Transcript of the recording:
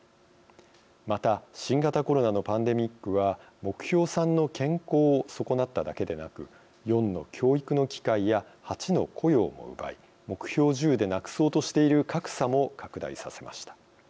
また新型コロナのパンデミックは目標３の健康を損なっただけでなく４の教育の機会や８の雇用も奪い目標１０でなくそうとしている格差も拡大させました。